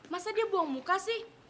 masa dia buang muka sih